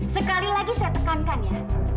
sekali lagi saya tekankan ya